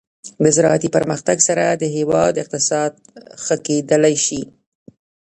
د زراعتي پرمختګ سره د هیواد اقتصاد ښه کیدلی شي.